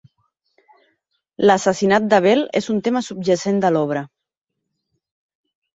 L'assassinat d'Abel és un tema subjacent de l'obra.